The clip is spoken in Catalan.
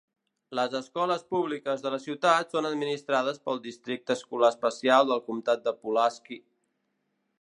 Les escoles públiques de la ciutat són administrades pel Districte Escolar Especial del Comtat de Pulaski.